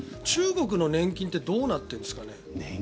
中国の年金ってどうなってるんですかね。